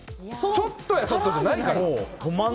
ちょっとやそっとじゃないから！